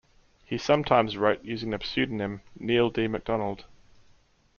He sometimes wrote using the pseudonym "Neil D. MacDonald".